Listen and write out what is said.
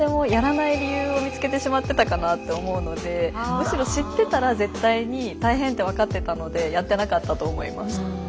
むしろ知ってたら絶対に大変って分かってたのでやってなかったと思います。